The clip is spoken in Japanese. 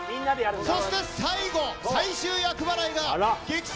そして最後、最終厄払いが、激走！